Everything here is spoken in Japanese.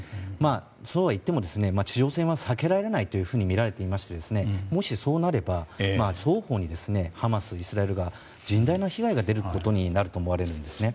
そうはいっても戦は避けられないとみられていましてそうなれば双方にハマス、イスラエル側甚大な被害が出ることになるわけですね。